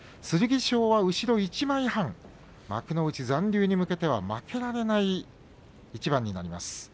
剣翔は後ろ一枚半幕内残留に向けては負けられない一番になります。